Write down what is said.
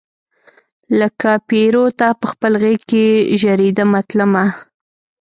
لکه پیروته پخپل غیږ کې ژریدمه تلمه